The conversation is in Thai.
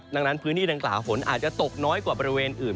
ดังนั้นพื้นที่ดังกล่าวฝนอาจจะตกน้อยกว่าบริเวณอื่น